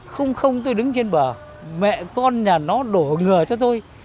không không tôi đứng trên bờ mẹ con nhà nó đổ ngừa cho tôi